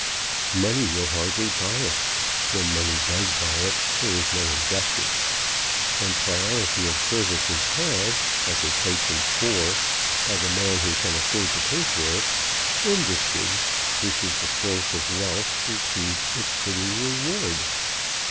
Money will hardly buy it. When money does buy it, there is no injustice. When priority of service is had, like a coach and four, by the man who can afford to pay for it, industry, which is the source of wealth, receives its fitting reward.